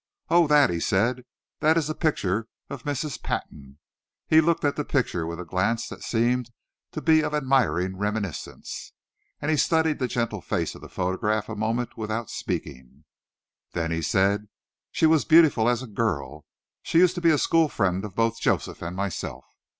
"Oh, that," he said; "that is a picture, of Mrs. Patton." He looked at the picture with a glance that seemed to be of admiring reminiscence, and he studied the gentle face of the photograph a moment without speaking. Then he said, "She was beautiful as a girl. She used to be a school friend of both Joseph and myself."